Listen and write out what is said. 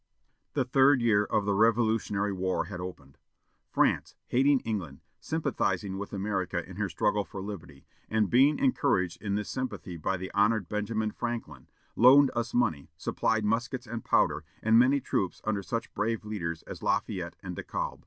The third year of the Revolutionary War had opened. France, hating England, sympathizing with America in her struggle for liberty, and being encouraged in this sympathy by the honored Benjamin Franklin, loaned us money, supplied muskets and powder, and many troops under such brave leaders as Lafayette and De Kalb.